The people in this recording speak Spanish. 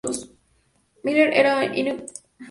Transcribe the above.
Minnelli era único en la fusión de comedia y musical.